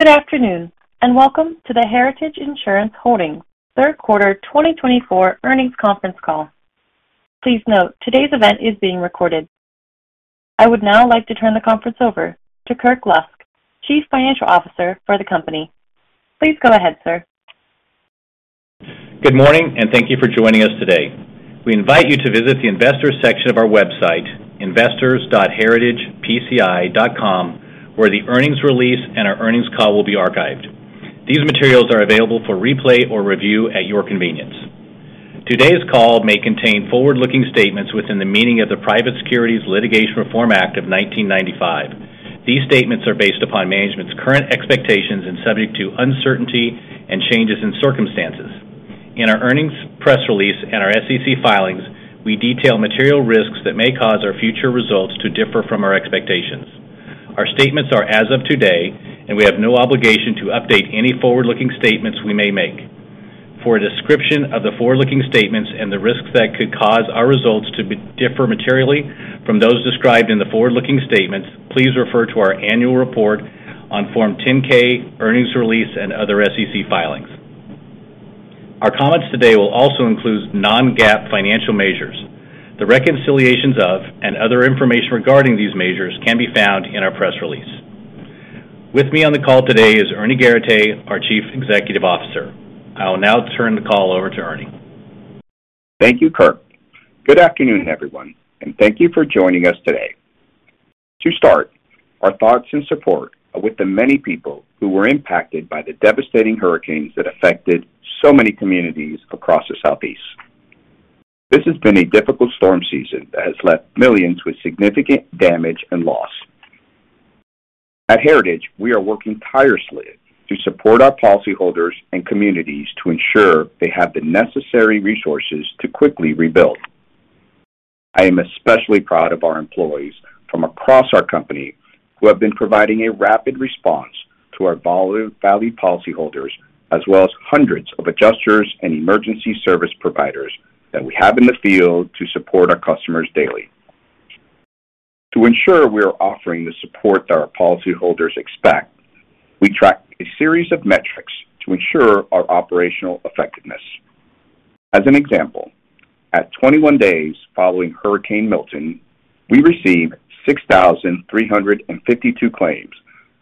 Good afternoon, and welcome to the Heritage Insurance Holdings third quarter 2024 earnings conference call. Please note, today's event is being recorded. I would now like to turn the conference over to Kirk Lusk, Chief Financial Officer for the company. Please go ahead, sir. Good morning, and thank you for joining us today. We invite you to visit the investor section of our website, investors.heritagepci.com, where the earnings release and our earnings call will be archived. These materials are available for replay or review at your convenience. Today's call may contain forward-looking statements within the meaning of the Private Securities Litigation Reform Act of 1995. These statements are based upon management's current expectations and subject to uncertainty and changes in circumstances. In our earnings press release and our SEC filings, we detail material risks that may cause our future results to differ from our expectations. Our statements are as of today, and we have no obligation to update any forward-looking statements we may make. For a description of the forward-looking statements and the risks that could cause our results to differ materially from those described in the forward-looking statements, please refer to our annual report on Form 10-K, earnings release, and other SEC filings. Our comments today will also include non-GAAP financial measures. The reconciliations of and other information regarding these measures can be found in our press release. With me on the call today is Ernie Garateix, our Chief Executive Officer. I will now turn the call over to Ernie. Thank you, Kirk. Good afternoon, everyone, and thank you for joining us today. To start, our thoughts and support are with the many people who were impacted by the devastating hurricanes that affected so many communities across the Southeast. This has been a difficult storm season that has left millions with significant damage and loss. At Heritage, we are working tirelessly to support our policyholders and communities to ensure they have the necessary resources to quickly rebuild. I am especially proud of our employees from across our company who have been providing a rapid response to our valued policyholders, as well as hundreds of adjusters and emergency service providers that we have in the field to support our customers daily. To ensure we are offering the support that our policyholders expect, we track a series of metrics to ensure our operational effectiveness. As an example, at 21 days following Hurricane Milton, we received 6,352 claims,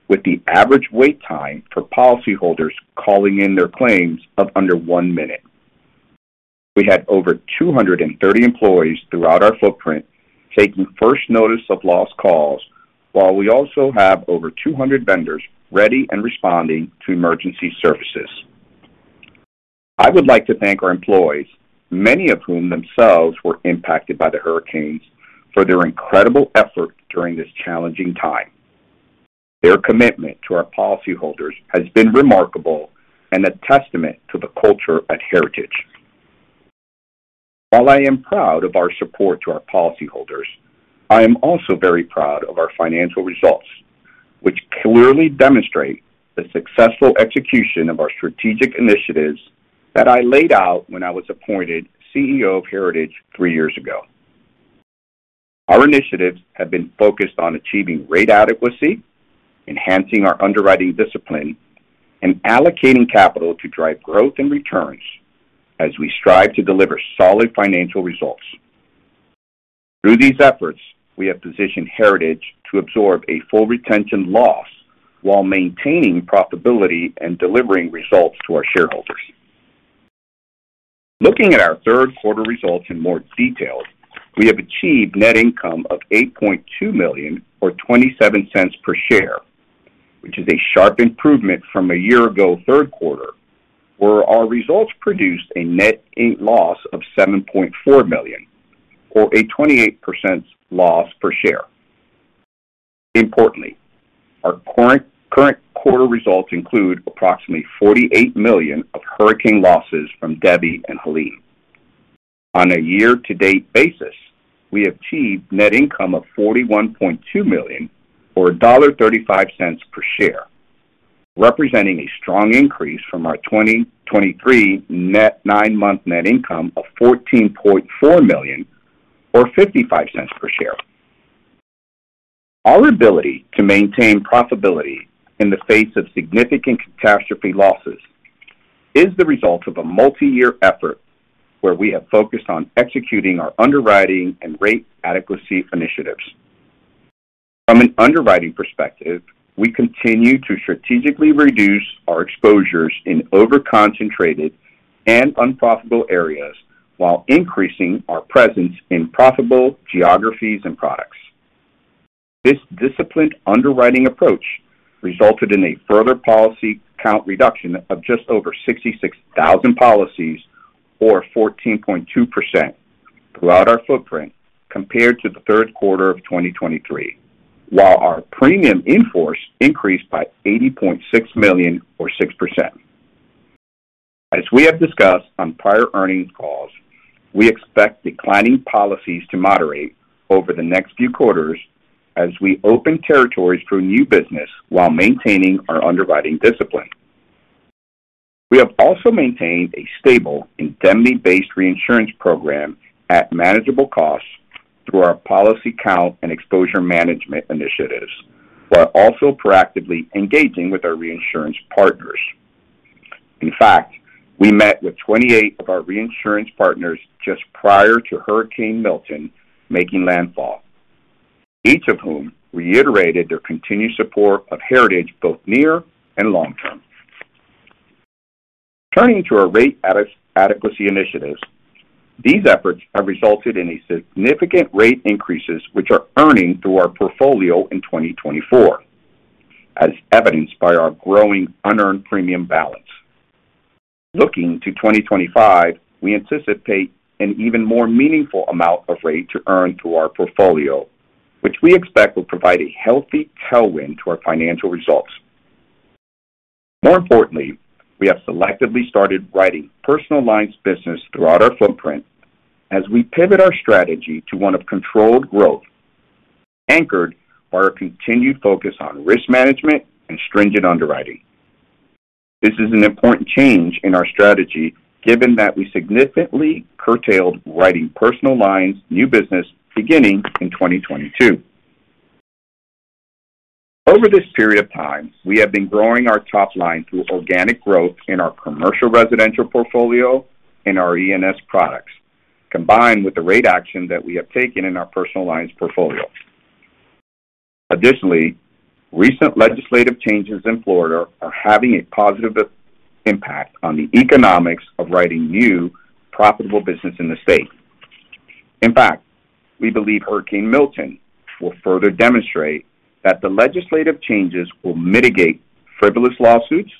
with the average wait time for policyholders calling in their claims of under one minute. We had over 230 employees throughout our footprint taking first notice of loss calls, while we also have over 200 vendors ready and responding to emergency services. I would like to thank our employees, many of whom themselves were impacted by the hurricanes, for their incredible effort during this challenging time. Their commitment to our policyholders has been remarkable and a testament to the culture at Heritage. While I am proud of our support to our policyholders, I am also very proud of our financial results, which clearly demonstrate the successful execution of our strategic initiatives that I laid out when I was appointed CEO of Heritage three years ago. Our initiatives have been focused on achieving rate adequacy, enhancing our underwriting discipline, and allocating capital to drive growth and returns as we strive to deliver solid financial results. Through these efforts, we have positioned Heritage to absorb a full retention loss while maintaining profitability and delivering results to our shareholders. Looking at our third quarter results in more detail, we have achieved net income of $8.2 million, or $0.27 per share, which is a sharp improvement from a year-ago third quarter, where our results produced a net loss of $7.4 million, or a 28% loss per share. Importantly, our current quarter results include approximately $48 million of hurricane losses from Debby and Helene. On a year-to-date basis, we have achieved net income of $41.2 million, or $1.35 per share, representing a strong increase from our 2023 nine-month net income of $14.4 million, or $0.55 per share. Our ability to maintain profitability in the face of significant catastrophe losses is the result of a multi-year effort where we have focused on executing our underwriting and rate adequacy initiatives. From an underwriting perspective, we continue to strategically reduce our exposures in over-concentrated and unprofitable areas while increasing our presence in profitable geographies and products. This disciplined underwriting approach resulted in a further policy count reduction of just over 66,000 policies, or 14.2%, throughout our footprint compared to the third quarter of 2023, while our premium in force increased by $80.6 million, or 6%. As we have discussed on prior earnings calls, we expect declining policies to moderate over the next few quarters as we open territories for new business while maintaining our underwriting discipline. We have also maintained a stable indemnity-based reinsurance program at manageable costs through our policy count and exposure management initiatives, while also proactively engaging with our reinsurance partners. In fact, we met with 28 of our reinsurance partners just prior to Hurricane Milton making landfall, each of whom reiterated their continued support of Heritage both near and long term. Turning to our rate adequacy initiatives, these efforts have resulted in significant rate increases which are earning through our portfolio in 2024, as evidenced by our growing unearned premium balance. Looking to 2025, we anticipate an even more meaningful amount of rate to earn through our portfolio, which we expect will provide a healthy tailwind to our financial results. More importantly, we have selectively started writing personal lines business throughout our footprint as we pivot our strategy to one of controlled growth, anchored by our continued focus on risk management and stringent underwriting. This is an important change in our strategy given that we significantly curtailed writing personal lines new business beginning in 2022. Over this period of time, we have been growing our top line through organic growth in our commercial residential portfolio and our E&S products, combined with the rate action that we have taken in our personal lines portfolio. Additionally, recent legislative changes in Florida are having a positive impact on the economics of writing new profitable business in the state. In fact, we believe Hurricane Milton will further demonstrate that the legislative changes will mitigate frivolous lawsuits,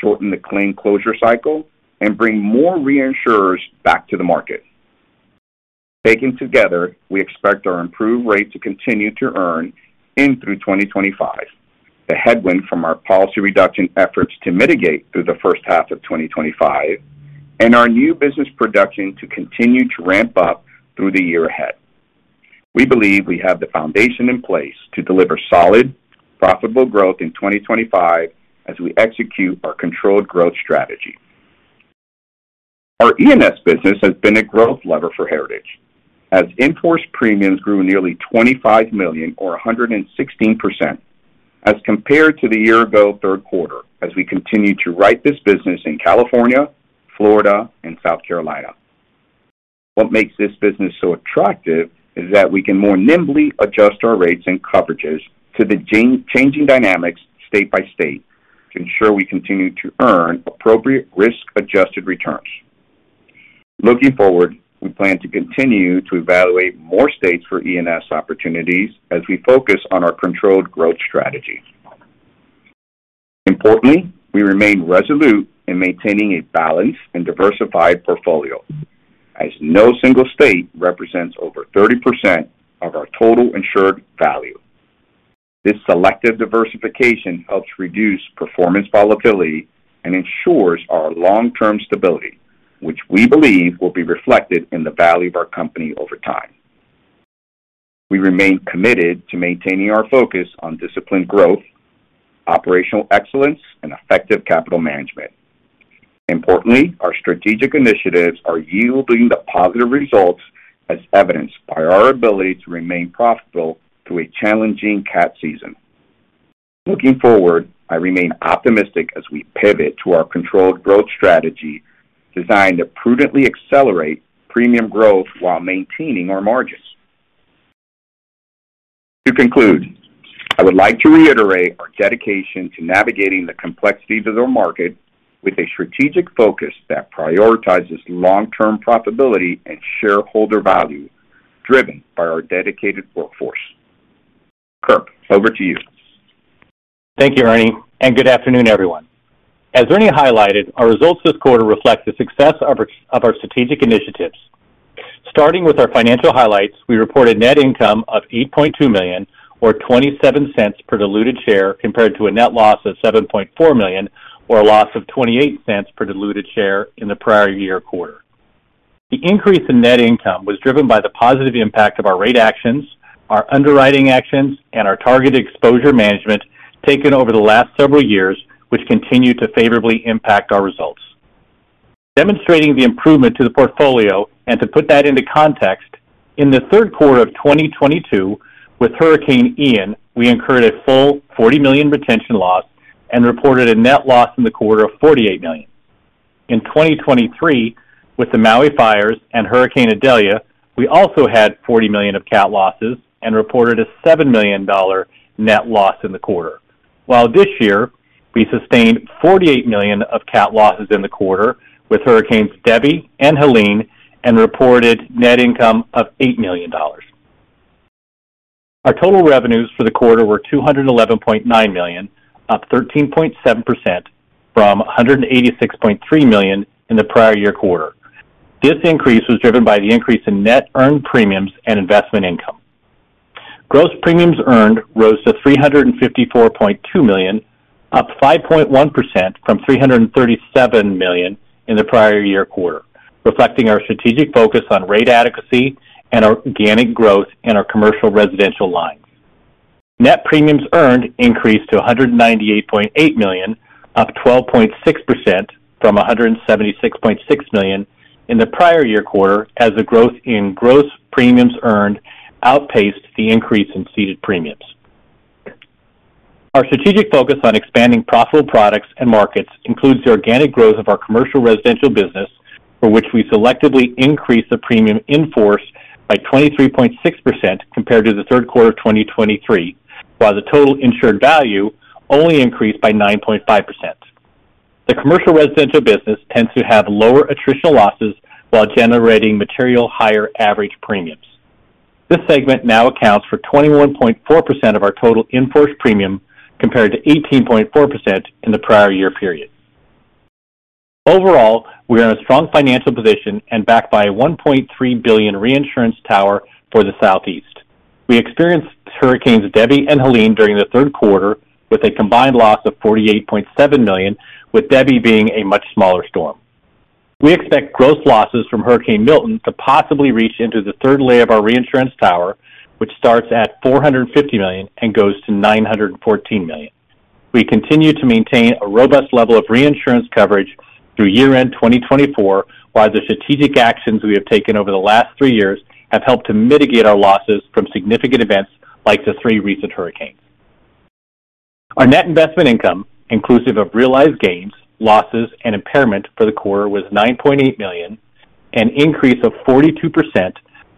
shorten the claim closure cycle, and bring more reinsurers back to the market. Taken together, we expect our improved rate to continue to earn in through 2025, the headwind from our policy reduction efforts to mitigate through the first half of 2025, and our new business production to continue to ramp up through the year ahead. We believe we have the foundation in place to deliver solid, profitable growth in 2025 as we execute our controlled growth strategy. Our E&S business has been a growth lever for Heritage as in-force premiums grew nearly $25 million, or 116%, as compared to the year-ago third quarter as we continue to write this business in California, Florida, and South Carolina. What makes this business so attractive is that we can more nimbly adjust our rates and coverages to the changing dynamics state by state to ensure we continue to earn appropriate risk-adjusted returns. Looking forward, we plan to continue to evaluate more states for E&S opportunities as we focus on our controlled growth strategy. Importantly, we remain resolute in maintaining a balanced and diversified portfolio as no single state represents over 30% of our total insured value. This selective diversification helps reduce performance volatility and ensures our long-term stability, which we believe will be reflected in the value of our company over time. We remain committed to maintaining our focus on disciplined growth, operational excellence, and effective capital management. Importantly, our strategic initiatives are yielding the positive results as evidenced by our ability to remain profitable through a challenging cat season. Looking forward, I remain optimistic as we pivot to our controlled growth strategy designed to prudently accelerate premium growth while maintaining our margins. To conclude, I would like to reiterate our dedication to navigating the complexities of the market with a strategic focus that prioritizes long-term profitability and shareholder value driven by our dedicated workforce. Kirk, over to you. Thank you, Ernie, and good afternoon, everyone. As Ernie highlighted, our results this quarter reflect the success of our strategic initiatives. Starting with our financial highlights, we reported net income of $8.2 million, or $0.27 per diluted share, compared to a net loss of $7.4 million, or a loss of $0.28 per diluted share in the prior year quarter. The increase in net income was driven by the positive impact of our rate actions, our underwriting actions, and our targeted exposure management taken over the last several years, which continue to favorably impact our results. Demonstrating the improvement to the portfolio and to put that into context, in the third quarter of 2022 with Hurricane Ian, we incurred a full $40 million retention loss and reported a net loss in the quarter of $48 million. In 2023, with the Maui fires and Hurricane Idalia, we also had $40 million of cat losses and reported a $7 million net loss in the quarter, while this year we sustained $48 million of cat losses in the quarter with Hurricanes Debby and Helene and reported net income of $8 million. Our total revenues for the quarter were $211.9 million, up 13.7% from $186.3 million in the prior year quarter. This increase was driven by the increase in net earned premiums and investment income. Gross premiums earned rose to $354.2 million, up 5.1% from $337 million in the prior year quarter, reflecting our strategic focus on rate adequacy and organic growth in our commercial residential lines. Net premiums earned increased to $198.8 million, up 12.6% from $176.6 million in the prior year quarter as the growth in gross premiums earned outpaced the increase in ceded premiums. Our strategic focus on expanding profitable products and markets includes the organic growth of our commercial residential business, for which we selectively increased the premiums earned by 23.6% compared to the third quarter of 2023, while the total insured value only increased by 9.5%. The commercial residential business tends to have lower attritional losses while generating materially higher average premiums. This segment now accounts for 21.4% of our total earned premium compared to 18.4% in the prior year period. Overall, we are in a strong financial position and backed by a $1.3 billion reinsurance tower for the Southeast. We experienced Hurricanes Debby and Helene during the third quarter with a combined loss of $48.7 million, with Debby being a much smaller storm. We expect gross losses from Hurricane Milton to possibly reach into the third layer of our reinsurance tower, which starts at $450 million-$914 million. We continue to maintain a robust level of reinsurance coverage through year-end 2024, while the strategic actions we have taken over the last three years have helped to mitigate our losses from significant events like the three recent hurricanes. Our net investment income, inclusive of realized gains, losses, and impairment for the quarter, was $9.8 million and increased of 42%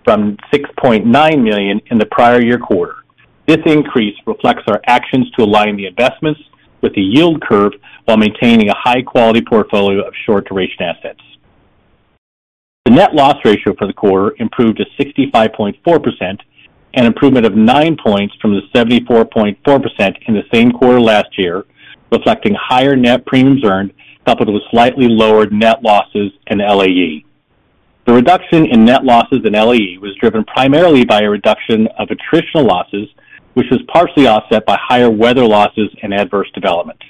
from $6.9 million in the prior year quarter. This increase reflects our actions to align the investments with the yield curve while maintaining a high-quality portfolio of short-duration assets. The net loss ratio for the quarter improved to 65.4%, an improvement of 9 points from the 74.4% in the same quarter last year, reflecting higher net premiums earned coupled with slightly lowered net losses in LAE. The reduction in net losses in LAE was driven primarily by a reduction of attritional losses, which was partially offset by higher weather losses and adverse development.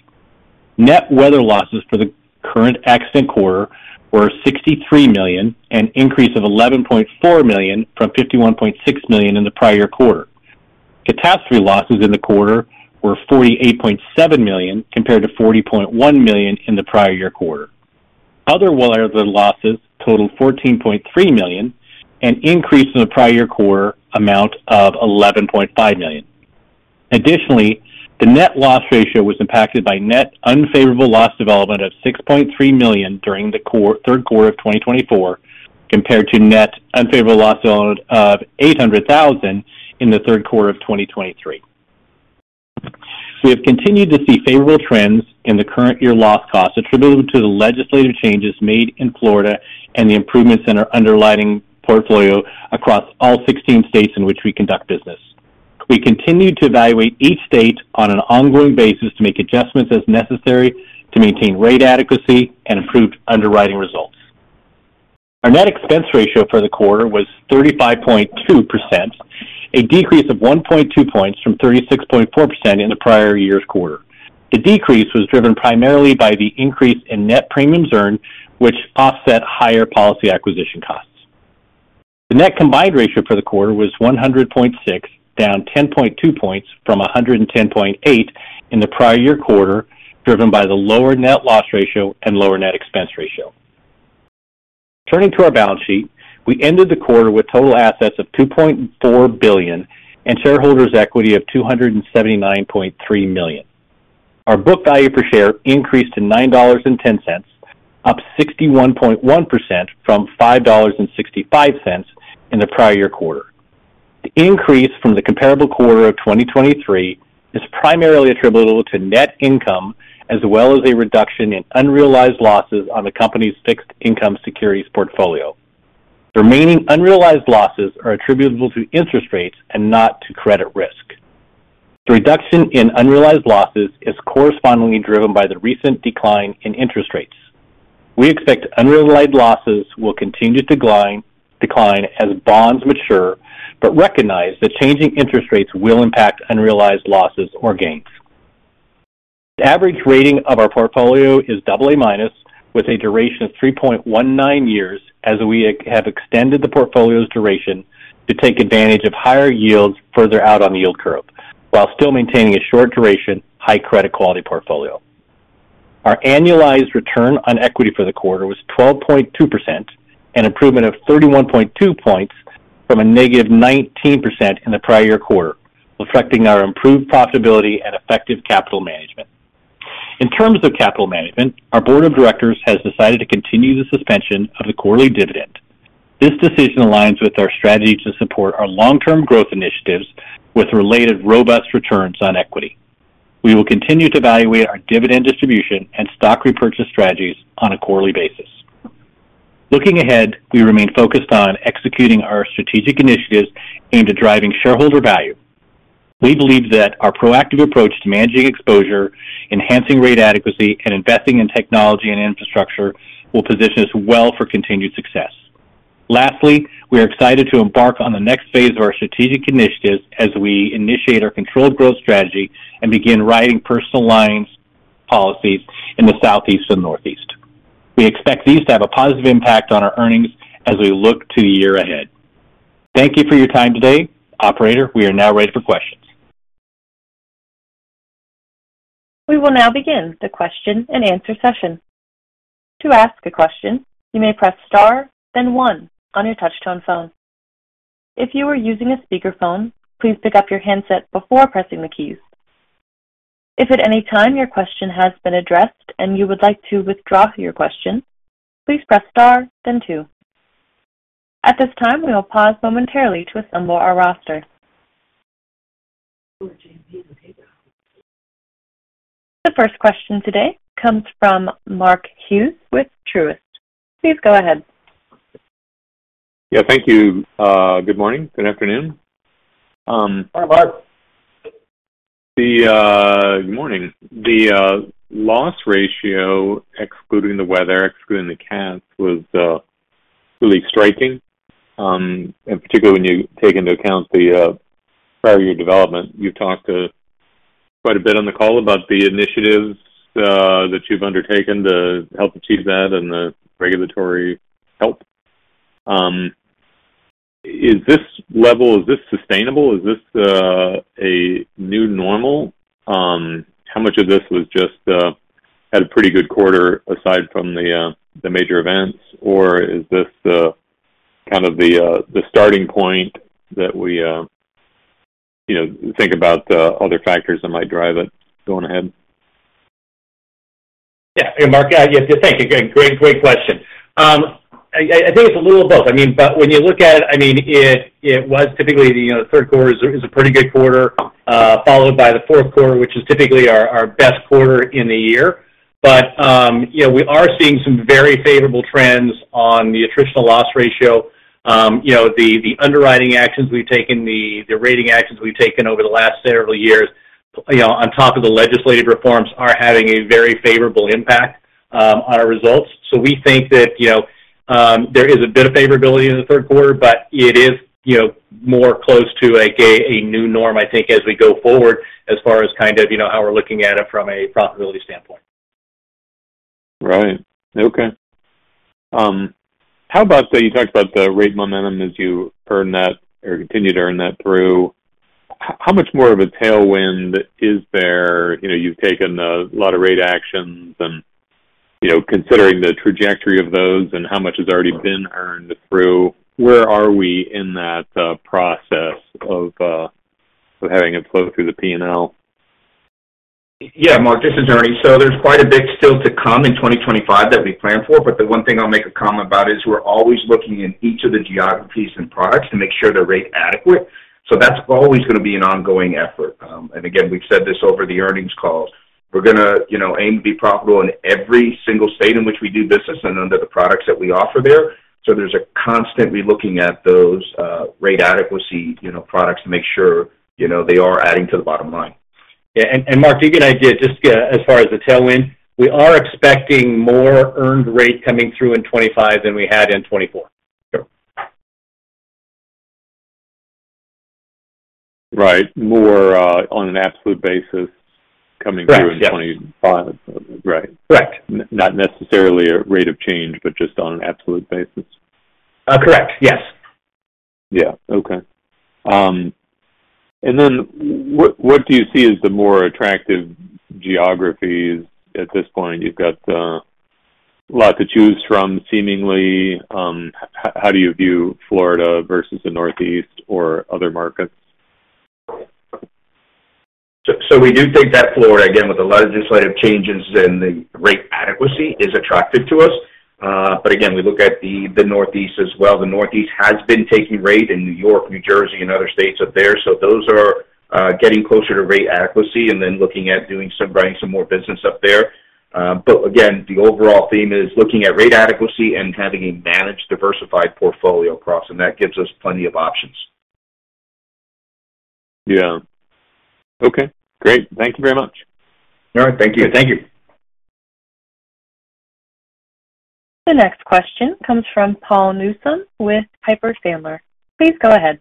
Net weather losses for the current accident quarter were $63 million, an increase of $11.4 million from $51.6 million in the prior year quarter. Catastrophe losses in the quarter were $48.7 million compared to $40.1 million in the prior year quarter. Other weather losses totaled $14.3 million and increased in the prior year quarter amount of $11.5 million. Additionally, the net loss ratio was impacted by net unfavorable loss development of $6.3 million during the third quarter of 2024 compared to net unfavorable loss development of $800,000 in the third quarter of 2023. We have continued to see favorable trends in the current year loss costs attributed to the legislative changes made in Florida and the improvements in our underwriting portfolio across all 16 states in which we conduct business. We continue to evaluate each state on an ongoing basis to make adjustments as necessary to maintain rate adequacy and improved underwriting results. Our net expense ratio for the quarter was 35.2%, a decrease of 1.2 points from 36.4% in the prior year's quarter. The decrease was driven primarily by the increase in net premiums earned, which offset higher policy acquisition costs. The net combined ratio for the quarter was 100.6, down 10.2 points from 110.8 in the prior year quarter, driven by the lower net loss ratio and lower net expense ratio. Turning to our balance sheet, we ended the quarter with total assets of $2.4 billion and shareholders' equity of $279.3 million. Our book value per share increased to $9.10, up 61.1% from $5.65 in the prior year quarter. The increase from the comparable quarter of 2023 is primarily attributable to net income as well as a reduction in unrealized losses on the company's fixed income securities portfolio. The remaining unrealized losses are attributable to interest rates and not to credit risk. The reduction in unrealized losses is correspondingly driven by the recent decline in interest rates. We expect unrealized losses will continue to decline as bonds mature, but recognize that changing interest rates will impact unrealized losses or gains. The average rating of our portfolio is AA- with a duration of 3.19 years as we have extended the portfolio's duration to take advantage of higher yields further out on the yield curve while still maintaining a short-duration, high-credit quality portfolio. Our annualized return on equity for the quarter was 12.2%, an improvement of 31.2 points from a negative 19% in the prior year quarter, reflecting our improved profitability and effective capital management. In terms of capital management, our board of directors has decided to continue the suspension of the quarterly dividend. This decision aligns with our strategy to support our long-term growth initiatives with related robust returns on equity. We will continue to evaluate our dividend distribution and stock repurchase strategies on a quarterly basis. Looking ahead, we remain focused on executing our strategic initiatives aimed at driving shareholder value. We believe that our proactive approach to managing exposure, enhancing rate adequacy, and investing in technology and infrastructure will position us well for continued success. Lastly, we are excited to embark on the next phase of our strategic initiatives as we initiate our controlled growth strategy and begin writing personal lines policies in the Southeast and Northeast. We expect these to have a positive impact on our earnings as we look to the year ahead. Thank you for your time today. Operator, we are now ready for questions. We will now begin the question and answer session. To ask a question, you may press star, then one on your touch-tone phone. If you are using a speakerphone, please pick up your handset before pressing the keys. If at any time your question has been addressed and you would like to withdraw your question, please press star, then two. At this time, we will pause momentarily to assemble our roster. The first question today comes from Mark Hughes with Truist. Please go ahead. Yeah, thank you. Good morning. Good afternoon. Hi, Mark. Good morning. The loss ratio, excluding the weather, excluding the cats, was really striking, particularly when you take into account the prior year development. You've talked quite a bit on the call about the initiatives that you've undertaken to help achieve that and the regulatory help. Is this level, is this sustainable? Is this a new normal? How much of this was just had a pretty good quarter aside from the major events? Or is this kind of the starting point that we think about other factors that might drive it? Going ahead. Yeah, Mark, thank you. Great question. I think it's a little of both. I mean, but when you look at it, I mean, it was typically the third quarter is a pretty good quarter, followed by the fourth quarter, which is typically our best quarter in the year. But we are seeing some very favorable trends on the attritional loss ratio. The underwriting actions we've taken, the rating actions we've taken over the last several years on top of the legislative reforms are having a very favorable impact on our results. So we think that there is a bit of favorability in the third quarter, but it is more close to a new norm, I think, as we go forward as far as kind of how we're looking at it from a profitability standpoint. Right. Okay. How about you talked about the rate momentum as you earn that or continue to earn that through? How much more of a tailwind is there? You've taken a lot of rate actions and considering the trajectory of those and how much has already been earned through, where are we in that process of having it flow through the P&L? Yeah, Mark, this is Ernie. So there's quite a bit still to come in 2025 that we plan for, but the one thing I'll make a comment about is we're always looking in each of the geographies and products to make sure they're rate adequate. So that's always going to be an ongoing effort. And again, we've said this over the earnings calls. We're going to aim to be profitable in every single state in which we do business and under the products that we offer there. So there's a constantly looking at those rate adequacy products to make sure they are adding to the bottom line. And Mark, you get an idea just as far as the tailwind. We are expecting more earned rate coming through in 2025 than we had in 2024. Sure. Right. More on an absolute basis coming through in 2025. Right. Correct. Not necessarily a rate of change, but just on an absolute basis. Correct. Yes. Yeah. Okay. And then what do you see as the more attractive geographies at this point? You've got a lot to choose from, seemingly. How do you view Florida versus the Northeast or other markets? So we do think that Florida, again, with the legislative changes and the rate adequacy, is attractive to us. But again, we look at the Northeast as well. The Northeast has been taking rate in New York, New Jersey, and other states up there. So those are getting closer to rate adequacy and then looking at doing some more business up there. But again, the overall theme is looking at rate adequacy and having a managed diversified portfolio across, and that gives us plenty of options. Yeah. Okay. Great. Thank you very much. All right. Thank you. Thank you. The next question comes from Paul Newsome with Piper Sandler. Please go ahead.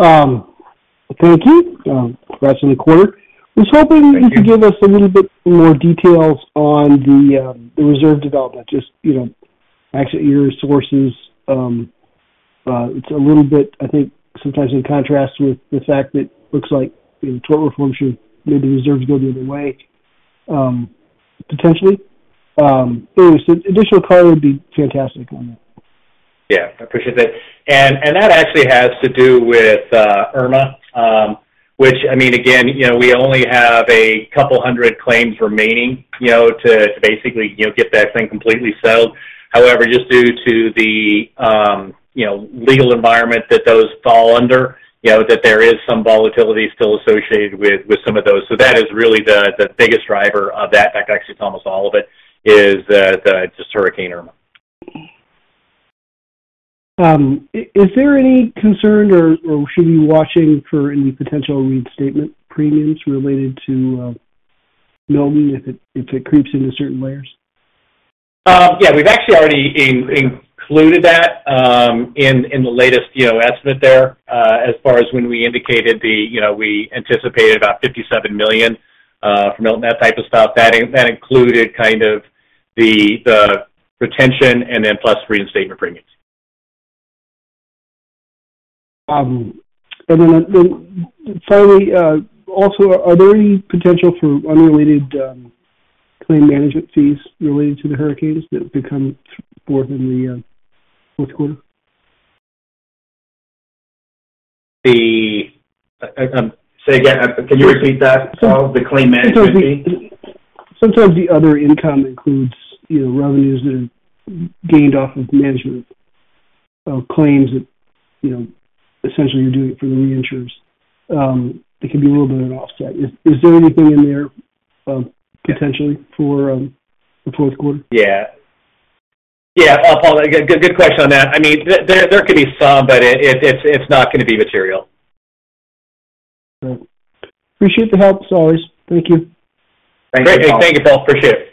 Thank you. Profitable quarter. I was hoping you could give us a little bit more details on the reserve development, just actually your sources. It's a little bit, I think, sometimes in contrast with the fact that it looks like tort reform should maybe reserves go the other way, potentially. Anyway, so additional color would be fantastic on that. Yeah. I appreciate that. And that actually has to do with Irma, which, I mean, again, we only have a couple hundred claims remaining to basically get that thing completely settled. However, just due to the legal environment that those fall under, that there is some volatility still associated with some of those. So that is really the biggest driver of that. That actually is almost all of it, is just Hurricane Irma. Is there any concern or should we be watching for any potential reinstatement premiums related to Milton if it creeps into certain layers? Yeah. We've actually already included that in the latest estimate there as far as when we indicated we anticipated about $57 million for Milton, that type of stuff. That included kind of the retention and then plus reinstatement premiums. And then finally, also, are there any potential for unrelated claim management fees related to the hurricanes that would come forth in the fourth quarter? Say again, can you repeat that? Sorry. The claim management fee? Sometimes the other income includes revenues that are gained off of management of claims that essentially you're doing for the reinsurers. It can be a little bit of an offset. Is there anything in there potentially for the fourth quarter? Yeah. Paul, good question on that. I mean, there could be some, but it's not going to be material. Okay. Appreciate the help. Sorry. Thank you. Thank you. Thank you, Paul. Appreciate it.